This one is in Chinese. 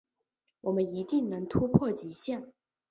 我们一定能突破极限